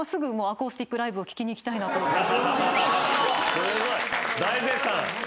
すごい大絶賛。